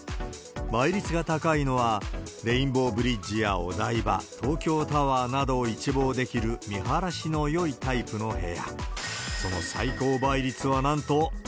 倍率が高いのは、レインボーブリッジやお台場、東京タワーなどを一望できる見晴らしのよいタイプの部屋。